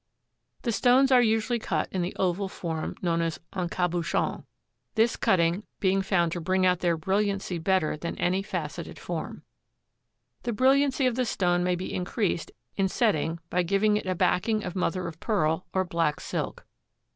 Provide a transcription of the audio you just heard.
The stones are usually cut in the oval form known as en cabouchon, this cutting being found to bring out their brilliancy better than any facetted form. The brilliancy of the stone may be increased in setting by giving it a backing of mother of pearl or black silk.